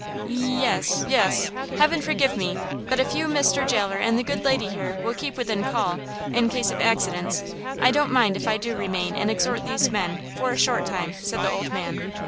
"Yes–yes. Heaven forgive me, but if you, Mr. Jailer, and the good lady here will keep within call, in case of accidents, I don't mind if I do remain and exhort these men, for a short time," said the old man.